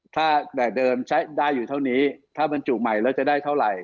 ถ้าแบบเดิมใช้ได้อยู่เท่านี้ถ้าบรรจุใหม่แล้วจะได้เท่าไหร่